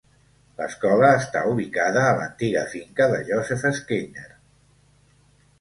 L'escola està ubicada a l'antiga finca de Joseph Skinner.